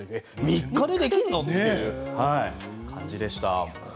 ３日でできるの？という感じでした。